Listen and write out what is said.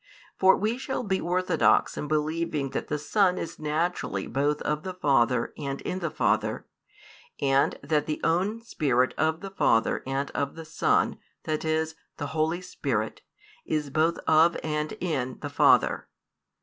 For we shall be orthodox in believing that the Son is naturally both of the Father and in the Father, and that the own Spirit of the Father and of the Son, that is, the Holy Spirit, is both of and in the Father.